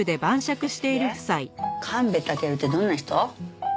で神戸尊ってどんな人？